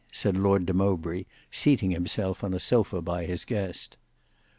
said Lord de Mowbray seating himself on a sofa by his guest.